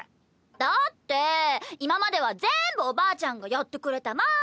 だって今まではぜんぶおばあちゃんがやってくれたもん！